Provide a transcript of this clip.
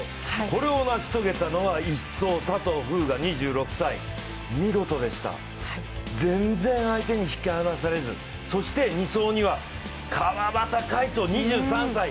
これを成し遂げたのは１走・佐藤風雅２６歳、見事でした、全然相手に引き離されず、そして、２走には川端魁人２３歳。